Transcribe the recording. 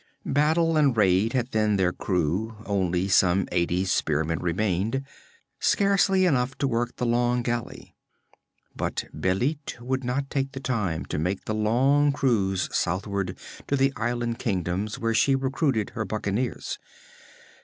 Battle and raid had thinned their crew; only some eighty spearmen remained, scarcely enough to work the long galley. But Bêlit would not take the time to make the long cruise southward to the island kingdoms where she recruited her buccaneers.